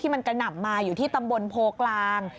มันกระหน่ำมาอยู่ที่ตำบลโพกลาง